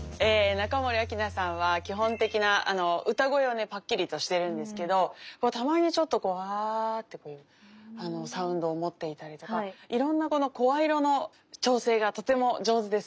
中森明菜さんは基本的な歌声はねパッキリとしてるんですけどたまにちょっとこう「わ」ってこうサウンドを持っていたりとかいろんな声色の調整がとても上手ですよね。